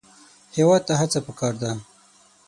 هېواد ته هڅه پکار ده